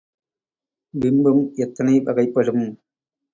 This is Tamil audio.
பிம்பம் எத்தனை வகைப்படும்?